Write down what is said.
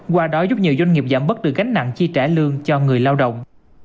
qua đó giúp nhiều doanh nghiệp giảm bớt được gánh nặng chi trả lương cho người lao động